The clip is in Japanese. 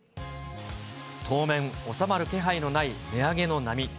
当面、収まる気配のない値上げの波。